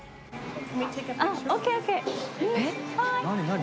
何？